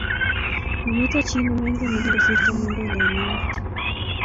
mamito chi ne maingen ne kikosirto Mandela eng' emet